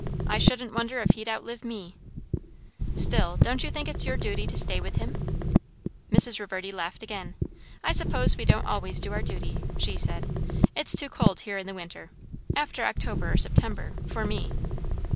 I shouldn't wonder if he'd outlive me." "Still, don't you think it is your duty to stay with him?" Mrs. Reverdy laughed again. "I suppose we don't always do our duty," she said. "It's too cold here in the winter after October or September for me."